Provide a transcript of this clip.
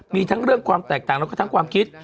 มีทั้งเรื่องความแตกต่างแล้วก็ทั้งความคิด